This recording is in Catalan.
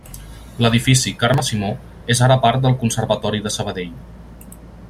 L'edifici Carme Simó és ara part del Conservatori de Sabadell.